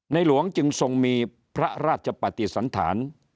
หลวงจึงทรงมีพระราชปฏิสันฐาน